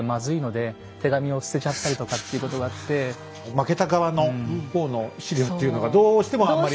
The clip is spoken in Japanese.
負けた側の方の史料っていうのがどうしてもあんまり。